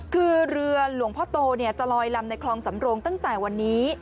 คือเรือหลวงพ่อโตจะลอยลำในคลองสำโรงตั้งแต่วันนี้